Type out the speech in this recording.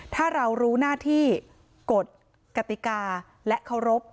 ถ้าเรารู้หน้าที่กฎกติกาและเคารพ